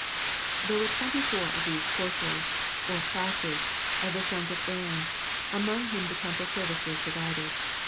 ] There were twenty four of these courses, or classes, of the sons of Aaron, among whom the temple serdce was divided.